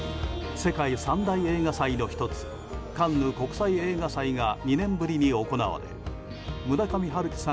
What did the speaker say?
世界三大映画祭の１つカンヌ国際映画祭が２年ぶりに行われ村上春樹さん